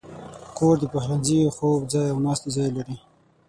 کور د پخلنځي، خوب ځای، او ناستې ځای لري.